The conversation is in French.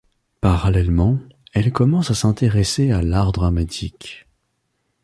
Parallèlement, elle commence à s'intéresser à l'art dramatique.